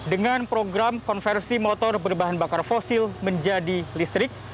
dengan program konversi motor berbahan bakar fosil menjadi listrik